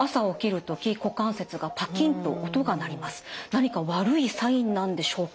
「何か悪いサインなんでしょうか？」